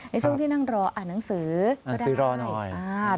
ในช่วงที่นั่งรออ่านหนังสือก็ได้